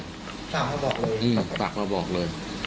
ฝากมาบอกเลยฝากมาบอกเลย